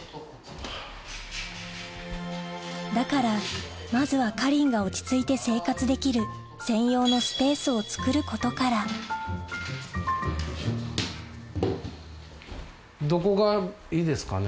だからまずはかりんが落ち着いて生活できる専用のスペースをつくることからどこがいいですかね？